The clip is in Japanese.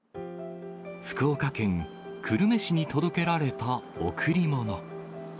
福岡県久留米市に届けられた贈り物。